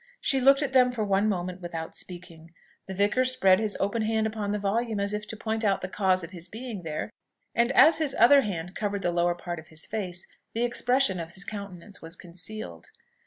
She looked at them for one moment without speaking. The vicar spread his open hand upon the volume, as if to point out the cause of his being there; and as his other hand covered the lower part of his face the expression of his countenance was concealed.